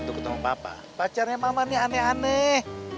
tunggu temen papa pacarnya mama nih aneh aneh